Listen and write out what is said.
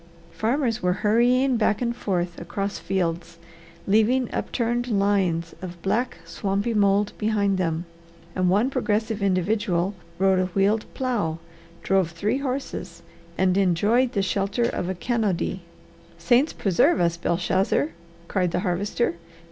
Farmers were hurrying back and forth across fields, leaving up turned lines of black, swampy mould behind them, and one progressive individual rode a wheeled plow, drove three horses and enjoyed the shelter of a canopy. "Saints preserve us, Belshazzar!" cried the Harvester.